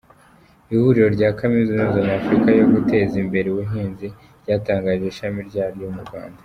Ihuriro rya kaminuza nyafurika ryo guteza imbere ubuhinzi ryatangije ishami ryaryo mu Rwanda